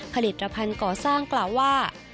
ผลิตภัณฑ์ก่อสร้างกล่าวว่า